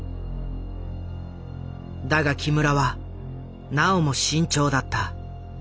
だが木村はなおも慎重だった。